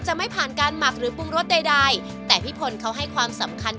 ไม่ผ่านการหมักหรือปรุงรสใดใดแต่พี่พลเขาให้ความสำคัญ